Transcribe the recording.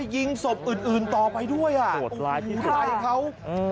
ยิงศพอื่นต่อไปด้วยอ่ะโดดร้ายเขา